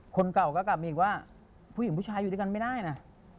คนเก่าก็กลับมาอีกว่าผู้หญิงผู้ชายอยู่ด้วยกันไม่ได้นะ